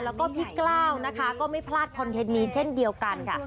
แล้วก็พี่กล้าวนะคะก็ไม่พลาดคอนเทนต์นี้เช่นเดียวกันค่ะ